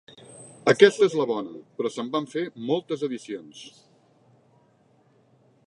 Aquesta és la bona, però se'n van fer moltes edicions.